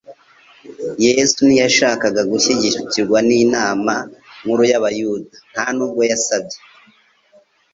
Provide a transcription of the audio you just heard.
Yesu ntiyashakaga gushyigikirwa n'inama nkuru y'abayuda, nta nubwo yasabye.